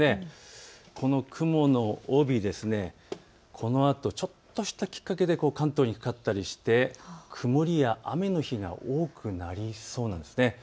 この雲の帯ですがこのあとちょっとしたきっかけで関東にかかったりして曇りや雨の日が多くなりそうなんです。